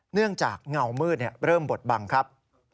เนื่องจากเงามืดเริ่มบดบังครับ